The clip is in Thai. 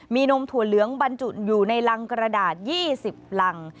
มีนมถั่วเหลืองบรรจุอยู่ในรังกระดาษ๒๐รัง